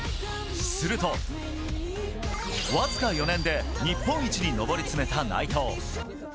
すると、わずか４年で日本一に登りつめた内藤。